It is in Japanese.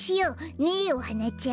ねえおハナちゃん。